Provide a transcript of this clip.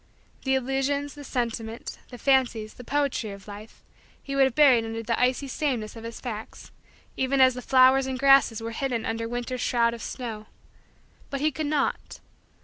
The illusions, the sentiment, the fancies, the poetry of Life, he would have buried under the icy sameness of his facts, even as the flowers and grasses were hidden under winter's shroud of snow. But he could not.